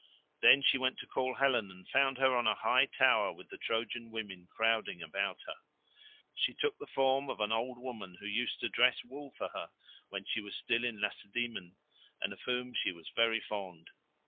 Then she went to call Helen, and found her on a high tower with the Trojan women crowding round her. She took the form of an old woman who used to dress wool for her when she was still in Lacedaemon, and of whom she was very fond.